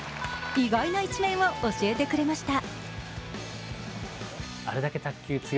意外な一面を教えてくれました。